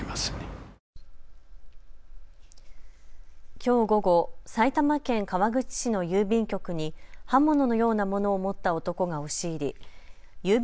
きょう午後、埼玉県川口市の郵便局に刃物のようなものを持った男が押し入り郵便